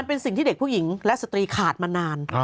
เป็นสิ่งที่เด็กผู้หญิงและสตรีขาดมานาน